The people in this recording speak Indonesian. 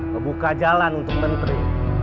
ngebuka jalan untuk menteri